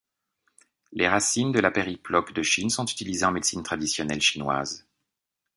Les racines de la périploque de Chine sont utilisées en médecine traditionnelle chinoise.